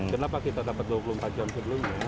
kenapa kita dapat dua puluh empat jam sebelumnya